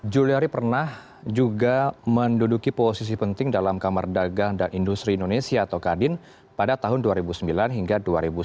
juliari pernah juga menduduki posisi penting dalam kamar dagang dan industri indonesia atau kadin pada tahun dua ribu sembilan hingga dua ribu sembilan belas